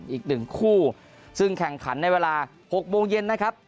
อีกหนึ่งคู่ซึ่งแข่งขันในเวลา๖โมงเย็นนะครับ